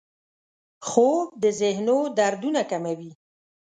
خوب د ذهنو دردونه کموي